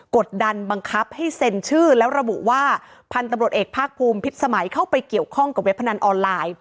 กดดันบังคับให้เซ็นชื่อแล้วระบุว่าพันธุ์ตำรวจเอกภาคภูมิพิษสมัยเข้าไปเกี่ยวข้องกับเว็บพนันออนไลน์